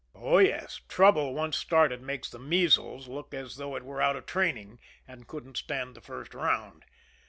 Oh, yes, trouble once started makes the measles look as though it were out of training, and couldn't stand the first round.